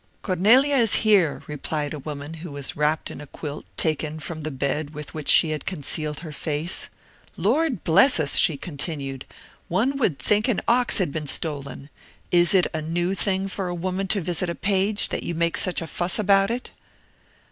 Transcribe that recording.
"Cornelia is here," replied a woman who was wrapped in a quilt taken from the bed with which she had concealed her face. "Lord bless us!" she continued, "one would think an ox had been stolen! Is it a new thing for a woman to visit a page, that you make such a fuss about it?"